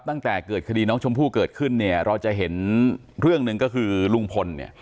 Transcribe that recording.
ตั้งแต่เกิดคดีน้องชมพู่เกิดขึ้นเนี่ยเราจะเห็นเรื่องหนึ่งก็คือลุงพลเนี่ย